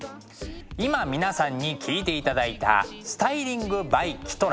今皆さんに聴いていただいた「スタイリングｂｙキトラ」。